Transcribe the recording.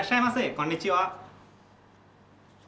こんにちは。